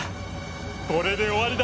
これで終わりだ！